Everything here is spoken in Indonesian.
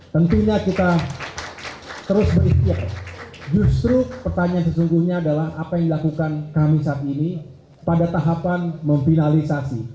tentunya kita terus berikhtiar justru pertanyaan sesungguhnya adalah apa yang dilakukan kami saat ini pada tahapan memfinalisasi